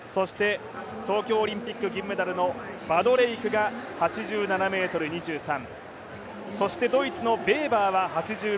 東京オリンピック銀メダルのバドレイクが８７ｍ２３、そしてドイツのベーバーが８７ｍ６。